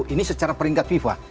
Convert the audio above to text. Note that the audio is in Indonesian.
ini secara peringkat fifa